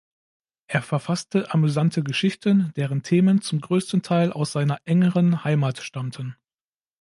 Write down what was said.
Er verfasste amüsante Geschichten, deren Themen zum größten Teil aus seiner engeren Heimat stammten.